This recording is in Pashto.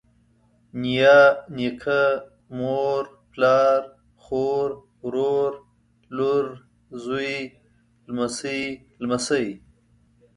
نيا، نيکه، مور، پلار، خور، ورور، لور، زوى، لمسۍ، لمسى